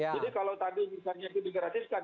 jadi kalau tadi misalnya itu digeratiskan